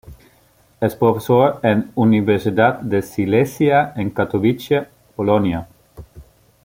Es profesor en Universidad de Silesia en Katowice, Polonia.